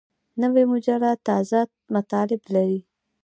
نوې مجله تازه مطالب لري